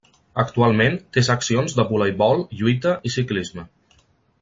Actualment té seccions de voleibol, lluita i ciclisme.